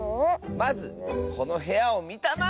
まずこのへやをみたまえ！